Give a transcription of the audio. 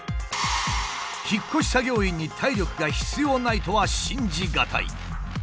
引っ越し作業員に体力が必要ないとは信じ難い。